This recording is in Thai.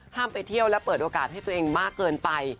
ไปเที่ยวและเปิดโอกาสให้ตัวเองมากเกินไป